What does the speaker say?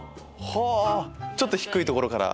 ちょっと低いところから。